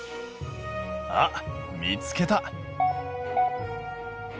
あっ見つけた！